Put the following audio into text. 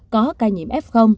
có ca nhiễm f